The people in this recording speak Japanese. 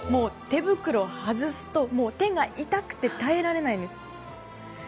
手袋を外すともう手が痛くて耐えられないんです。